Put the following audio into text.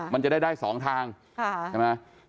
มันจะได้ได้๒ทางใช่ไหม